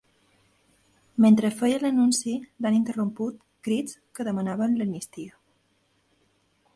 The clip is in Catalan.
Mentre feia l’anunci, l’han interromput crits que demanaven l’amnistia.